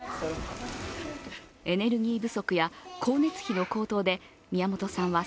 エネルギー不足や光熱費の高騰で、宮本さんは